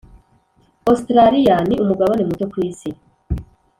australiya ni umugabane muto ku isi.